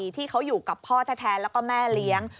ที่เขาอยู่กับพ่อแท้แล้วก็แม่เลี้ยง